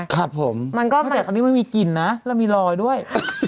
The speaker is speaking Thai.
ครับผมอันนี้มันมีกลิ่นนะแล้วมีรอยด้วย